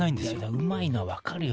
うまいの分かるよ